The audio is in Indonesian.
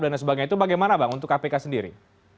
dan sebagainya itu bagaimana bang untuk kpk sendiri